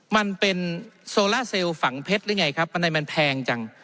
มันเป็นโซล่าเซลล์ฝังเพชรหรือไงครับบันไดมันแพงจัง